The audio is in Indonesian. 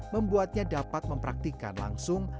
membuatnya dapat mempraktikkan langsung